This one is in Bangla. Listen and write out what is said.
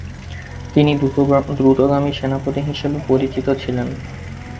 তিনি দ্রুতগামী সেনাপতি হিসেবে পরিচিত ছিলেন।